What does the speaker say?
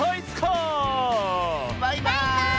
バイバーイ！